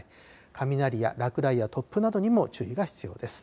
雷や落雷や突風などにも注意が必要です。